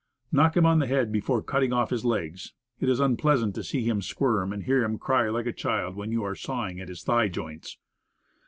Knock him on the head before cutting off his legs. It is unpleasant to see him squirm, and hear him cry like a child while you are sawing at his thigh joints.